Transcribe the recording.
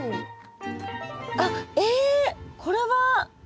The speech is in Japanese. あっえっこれは。